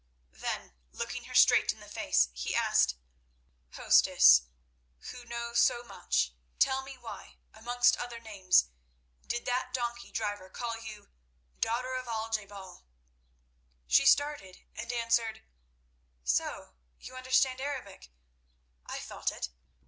Then looking her straight in the face he asked, "Hostess, who know so much, tell me why, amongst other names, did that donkey driver call you 'daughter of Al je bal'?" She started, and answered: "So you understand Arabic? I thought it.